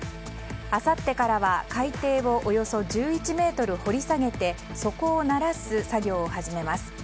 あさってからは海底をおよそ１１ｍ掘り下げて底をならす作業を始めます。